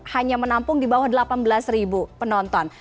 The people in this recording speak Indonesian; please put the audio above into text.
hanya menampung di bawah delapan belas ribu penonton